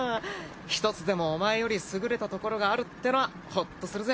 １つでもお前より優れたところがあるってのはホッとするぜ。